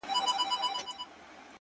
• ستاله غېږي به نن څرنګه ډارېږم,